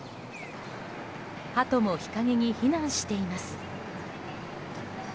ハトも日陰に避難しています。